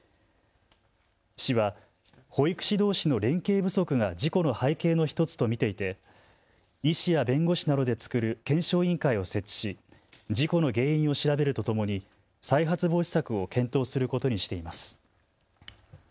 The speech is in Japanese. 市は保育士どうしの連携不足が事故の背景の１つと見ていて医師や弁護士などで作る検証委員会を設置し事故の原因を調べるとともに再発防止策を検討することにしています。